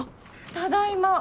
ただいま。